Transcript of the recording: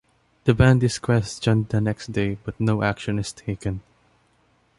The band is questioned the next day, but no action is taken.